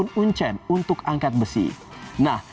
nah ini adalah cabang olahraga yang akan dikembangkan